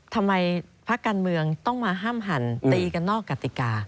พักการเมืองต้องมาห้ามหั่นตีกันนอกกติกา